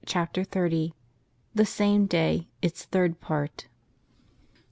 CHAPTER XXX ^ THE SAME DAY: ITS THIRD PART.